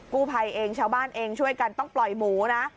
กู้ภัยเองชาวบ้านเองช่วยกันต้องปล่อยหมูนะ